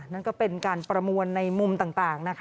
นั่นก็เป็นการประมวลในมุมต่างนะคะ